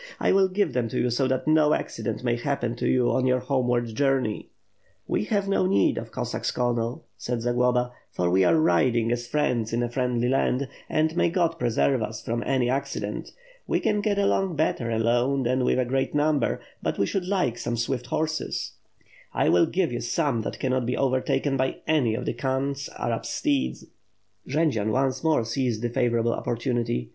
1 will give them to you so that no accident may happen to you on your homeward journey." "We have no need of Cossacks, Colonel," said Zagloba, "for we are riding as friends in a friendly land; and may God preserve us from any accident. We can get along better alone than with a great number, but we should like some swift horses." "I will give you some that cannot be overtaken by any of the Khan's Arab steeds." Jendzian once more seized the favorable opportunity.